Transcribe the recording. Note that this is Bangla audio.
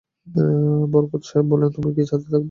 বরকত সাহেব বললেন, তুমি কি ছাদেই থাকবে?